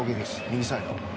右サイド。